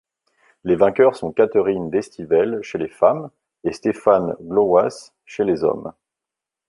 Les vainqueurs sont Catherine Destivelle chez les femmes et Stefan Glowacz chez les hommes.